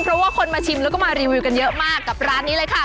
เพราะว่าคนมาชิมแล้วก็มารีวิวกันเยอะมากกับร้านนี้เลยค่ะ